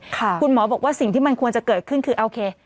คุณหมอบอกว่าสิ่งที่มันควรจะเกิดขึ้นคือโอเค